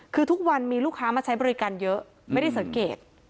คือทุกวันมีลูกค้ามาใช้บริการเยอะไม่ได้สังเกต